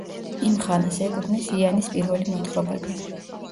იმ ხანას ეკუთვნის იანის პირველი მოთხრობები.